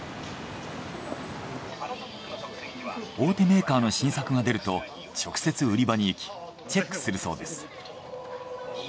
大手メーカーの新作が出ると直接売り場に行きチェックするそうです。